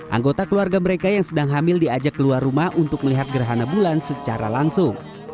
anggota keluarga mereka yang sedang hamil diajak keluar rumah untuk melihat gerhana bulan secara langsung